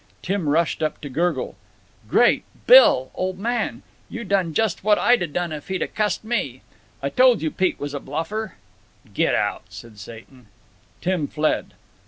Tim rushed up to gurgle: "Great, Bill, old man! You done just what I'd 'a' done if he'd cussed me. I told you Pete was a bluffer." "Git out," said Satan. Tim fled.